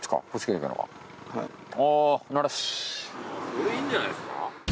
それいいんじゃないですか？